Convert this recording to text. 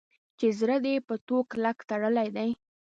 چې زړه دې په ټوک کلک تړلی دی.